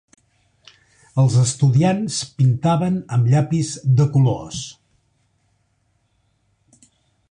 Els estudiants pintaven amb llapis de colors.